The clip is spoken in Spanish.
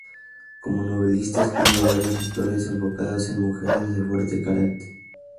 Como novelista, escribió varias historias enfocadas en mujeres de fuerte carácter.